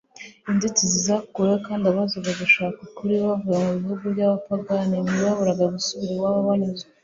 inzitizi zakuweho, kandi abazaga gushaka ukuri bavuye mu bihugu by'abapagani ntibaburaga gusubira iwabo banyuzwe